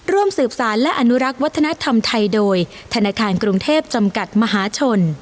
ร่วมสืบสารและอนุรักษ์วัฒนธรรมไทยโดยธนาคารกรุงเทพจำกัดมหาชน